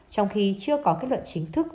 trong khi chưa có kết luận chính thức